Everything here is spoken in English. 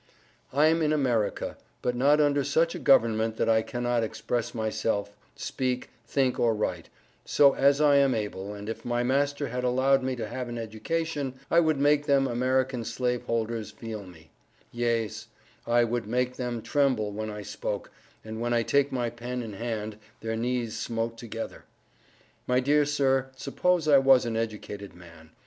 I'm in America, but not under Such a Government that I cannot express myself, speak, think or write So as I am able, and if my master had allowed me to have an education I would make them American Slave holders feel me, Yeas I would make them tremble when I spoke, and when I take my Pen in hand their knees smote together. My Dear Sir suppose I was an educated man.